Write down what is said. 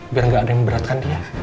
biar nggak ada yang memberatkan dia